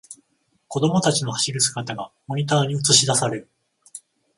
子供たちの走る姿がモニターに映しだされる